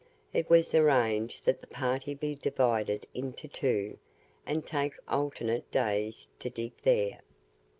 It was arranged that the party be divided into two, and take alternate days to dig there.